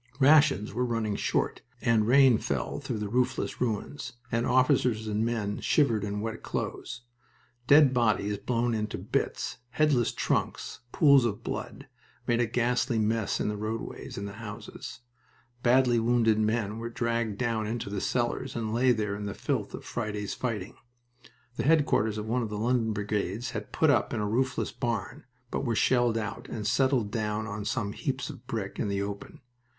Rations were running short, and rain fell through the roofless ruins, and officers and men shivered in wet clothes. Dead bodies blown into bits, headless trunks, pools of blood, made a ghastly mess in the roadways and the houses. Badly wounded men were dragged down into the cellars, and lay there in the filth of Friday's fighting. The headquarters of one of the London brigades had put up in a roofless barn, but were shelled out, and settled down on some heaps of brick in the open.